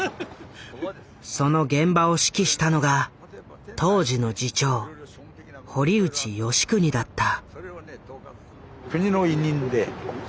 その現場を指揮したのが当時の次長堀内好訓だった。